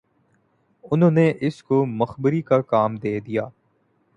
انہوں نے اس کو مخبری کا کام دے دیا